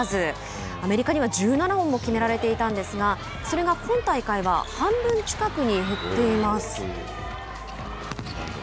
アメリカには１７本も決められていたんですがそれが今大会は半分近くに減っています。